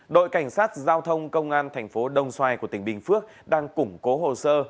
đội cảnh sát giao thông công an thành phố đồng xoài của tỉnh bình phước đang củng cố hồ sơ